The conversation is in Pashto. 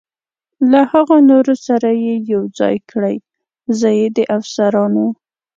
له هغه نورو سره یې یو ځای کړئ، زه یې د افسرانو.